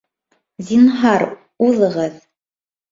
Зинһар, уҙығыҙ